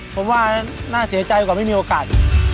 ผมว่าน่าเสียใจกว่าไม่มีโอกาส